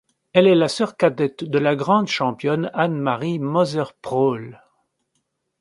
Elle est la sœur cadette de la grande championne Annemarie Moser-Pröll.